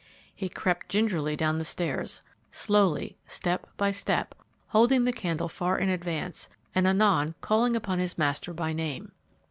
He crept gingerly down the stairs, slowly step by step, holding the candle far in advance, and anon calling upon his master by name.